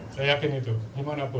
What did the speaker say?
saya yakin itu dimanapun